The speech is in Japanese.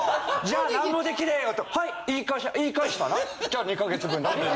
じゃあ何もできねえよってはい言い返したなじゃあ２か月分ね。